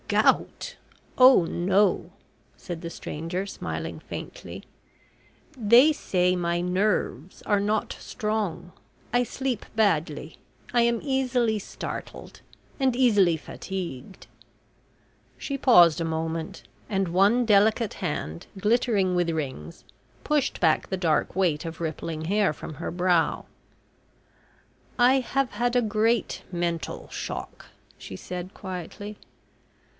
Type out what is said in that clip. "Gout! Oh, no!" said the stranger, smiling faintly. "They say my nerves are not strong. I sleep badly, I am easily startled, and easily fatigued." She paused a moment, and one delicate hand, glittering with rings, pushed back the dark weight of rippling hair from her brow. "I have had a great mental shock," she said, quietly.